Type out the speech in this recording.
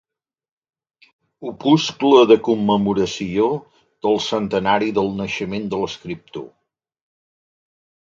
Opuscle de commemoració del centenari del naixement de l'escriptor.